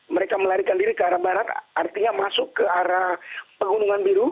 mereka melarikan diri ke arah barat artinya masuk ke arah pegunungan biru